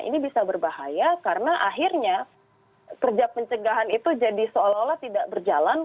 ini bisa berbahaya karena akhirnya kerja pencegahan itu jadi seolah olah tidak berjalan